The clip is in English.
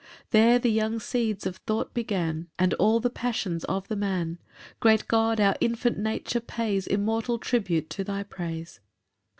5 There the young seeds of thought began And all the passions of the man: Great God, our infant nature pays Immortal tribute to thy praise. PAUSE.